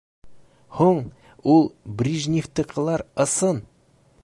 Һуң, ул Брижнифтыҡылар ысын!